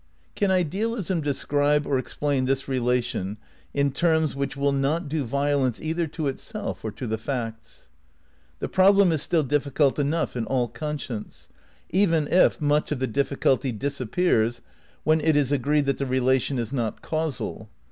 Can idealism describe or explain this relation ia terms which will not do violence either to itself or to the facts? The problem is still difficult enough in all conscience, even if much of the difficulty disappears when it is agreed that the relation is not causal.